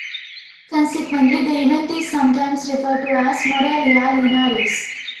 Consequently the event is sometimes referred to as Morelia-Linares.